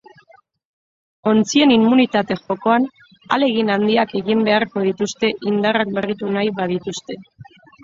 Ontzien immunitate jokoan ahalegin handiak egin beharko dituzte indarrak berritu nahi badituzte.